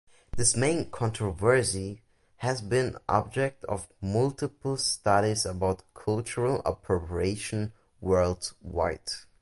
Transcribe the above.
This main controversy has been object of multiple studies about cultural appropriation worldwide.